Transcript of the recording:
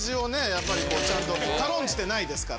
やっぱりちゃんと軽んじてないですから。